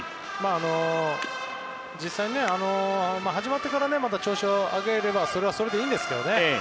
実際に、始まってからまた調子を上げればそれはそれでいいんですけどね。